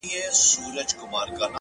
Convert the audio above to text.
دا غرونه ـ غرونه دي ولاړ وي داسي ـ